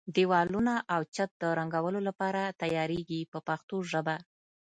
دېوالونه او چت د رنګولو لپاره تیاریږي په پښتو ژبه.